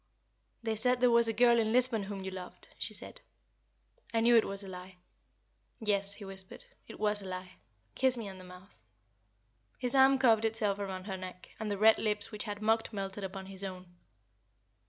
"They said there was a girl in Lisbon whom you loved," she said. "I knew it was a lie." "Yes," he whispered, "it was a lie. Kiss me on the mouth." His arm curved itself around her neck, and the red lips which had mocked melted upon his own.